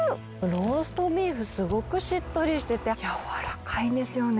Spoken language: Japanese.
ローストビーフ、すごくしっとりしてて、柔らかいんですよね。